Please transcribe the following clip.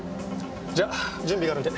じゃ準備があるんで。